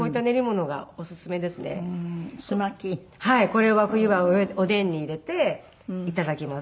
これは冬はおでんに入れていただきます。